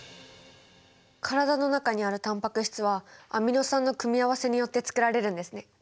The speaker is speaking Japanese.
体の中にあるタンパク質はアミノ酸の組み合わせによってつくられるんですね。